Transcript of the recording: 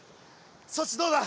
そっちどうだ？